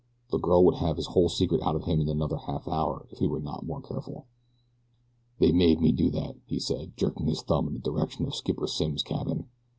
The girl would have his whole secret out of him in another half hour if he were not more careful. "They made me do that," he said, jerking his thumb in the general direction of Skipper Simms' cabin.